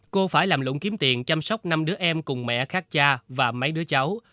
cô phải làm lũng kiếm tiền chăm sóc năm đứa em cùng mẹ khác cha và mấy đứa cháu